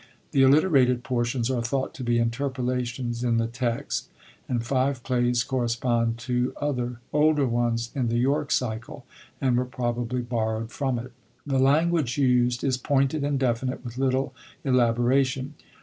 The alliterated portions are thought to be interpolations in the text, and five plays corre spond to other older ones in the York cycle, and were probably borrowd from it. The language used is pointed and definite, with little elaboration.